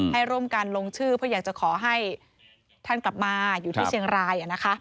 ให้ร่วมกันลงชื่อเพื่ออยากจะขอให้ท่านกลับมาอยู่ที่เชียงราย